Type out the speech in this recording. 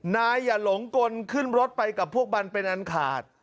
นายอย่าหลงกลขึ้นรถไปกับพวกมันเป็นอันขาด